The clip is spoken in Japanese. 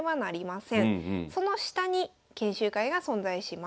その下に研修会が存在します。